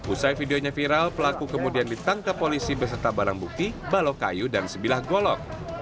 usai videonya viral pelaku kemudian ditangkap polisi beserta barang bukti balok kayu dan sebilah golok